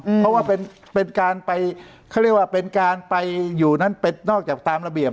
เพราะว่าเป็นการไปเขาเรียกว่าเป็นการไปอยู่นั้นเป็นนอกจากตามระเบียบ